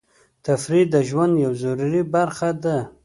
تفریح د ژوند یوه ضروري برخه ده.